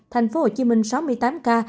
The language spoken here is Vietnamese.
tp hcm sáu mươi tám ca